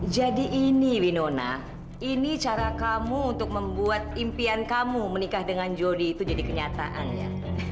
jadi ini winona ini cara kamu untuk membuat impian kamu menikah dengan jody itu jadi kenyataan ya